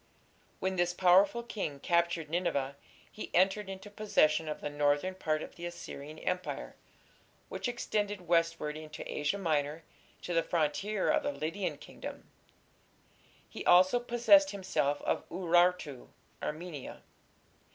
When this powerful king captured Nineveh he entered into possession of the northern part of the Assyrian Empire, which extended westward into Asia Minor to the frontier of the Lydian kingdom; he also possessed himself of Urartu (Armenia).